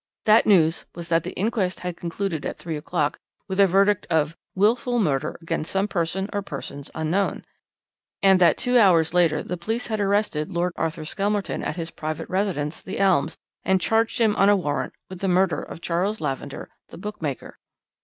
That news was that the inquest had concluded at three o'clock with a verdict of 'Wilful murder against some person or persons unknown,' and that two hours later the police had arrested Lord Arthur Skelmerton at his private residence, 'The Elms,' and charged him on a warrant with the murder of Charles Lavender, the bookmaker."